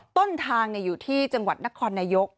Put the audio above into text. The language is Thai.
ต้นทางอยู่ที่จังหวัดนครนายก